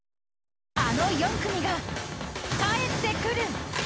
あの４組が帰ってくる。